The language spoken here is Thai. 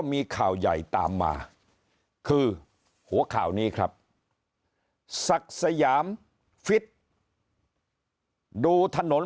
มีข่าวใหญ่ตามมาคือหัวข่าวนี้ครับศักดิ์สยามฟิตดูถนน